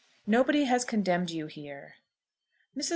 "NOBODY HAS CONDEMNED YOU HERE." MRS.